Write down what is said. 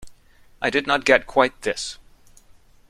I did not get quite this.